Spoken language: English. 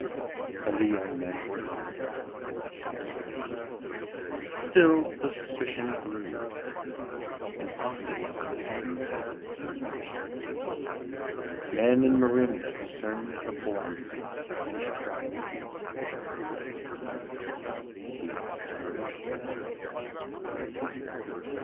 And the young men were humbled and became silent. Still, the suspicion grew. And often when the sun set on the Cyresian mountains, men in Merimna discerned the forms of savage tribesmen black against the light, peering towards the city.